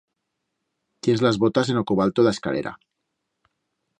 Tiens las botas en o cobalto d'a escalera.